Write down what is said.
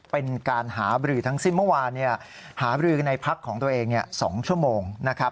เป็นการหาบรือทั้งสิ้นเมื่อวานหาบรือในพักของตัวเอง๒ชั่วโมงนะครับ